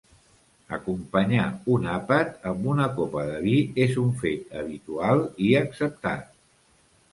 Acompanyar un àpat amb una copa de vi és un fet habitual i acceptat.